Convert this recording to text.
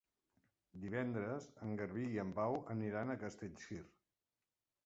Divendres en Garbí i en Pau aniran a Castellcir.